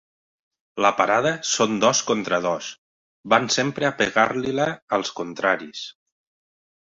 La parada són dos contra dos, van sempre a pegar-li-la als contraris.